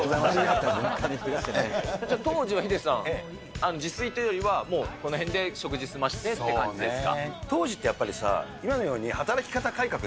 じゃあ当時はヒデさん、自炊というよりはもうこの辺で食事を済ませてっていう感じですか。